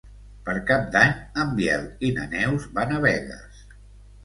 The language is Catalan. Per Cap d'Any en Biel i na Neus van a Begues.